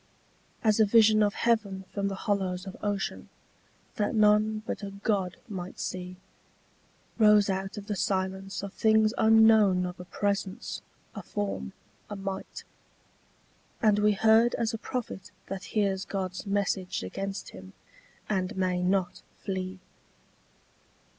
As a vision of heaven from the hollows of ocean, that none but a god might see, Rose out of the silence of things unknown of a presence, a form, a might, And we heard as a prophet that hears God's message against him, and may not flee.